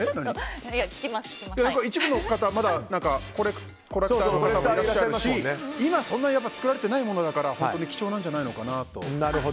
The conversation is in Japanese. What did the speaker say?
一部の方はまだコレクターの方いらっしゃいますし今、そんなに使われてないものだから貴重なんじゃないかと。